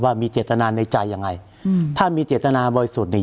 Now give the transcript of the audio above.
ว่ามีเจตนาในใจยังไงอืมถ้ามีเจตนาบริสุทธิ์เนี่ย